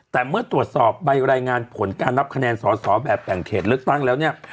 แต่เมื่อตรวจสอบใบรายงานผลการนับคะแนนสอสอแบบแบ่งเขตเลือกตั้งแล้วเนี่ย